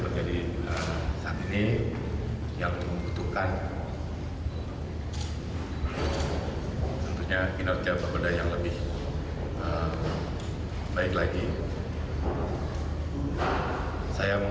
bapeda dapat lebih ditingkatkan untuk musim masyarakat yang akan datang